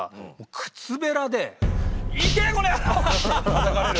たたかれる？